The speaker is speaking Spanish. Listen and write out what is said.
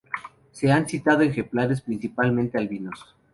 Se han citado ejemplares parcialmente albinos.